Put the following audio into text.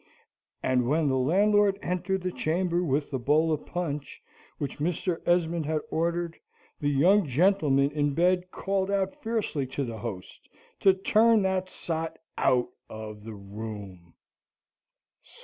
And when the landlord entered the chamber with the bowl of punch, which Mr. Esmond had ordered, the young gentleman in bed called out fiercely to the host, to turn that sot out of the room.